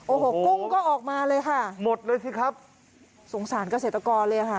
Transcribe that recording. โอ้โหกุ้งก็ออกมาเลยค่ะหมดเลยสิครับสงสารเกษตรกรเลยค่ะ